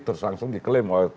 terus langsung diklaim